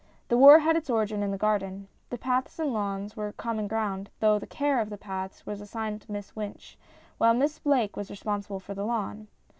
The war had its origin in the garden. The paths and lawns were common ground, though the care of the paths was assigned to Miss Wynch, while Miss Blake was responsible for the lawn.